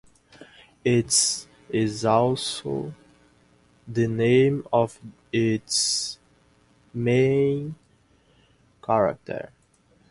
It is also the name of its main character.